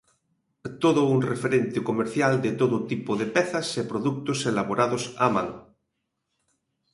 Todo un referente comercial de todo tipo de pezas e produtos elaborados á man.